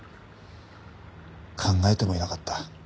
考えてもいなかった。